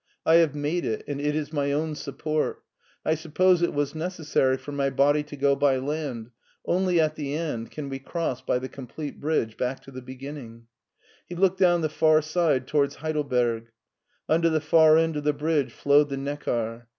I have made it and it is my own support. I suppose it was necessary for my body to go by land ; only at the end can we cross by the complete bridge back to the be ginning." He looked down the far side towards Heidelberg. Under the far end of the bridge flowed the Neckar.